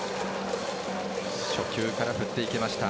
初球から振っていった。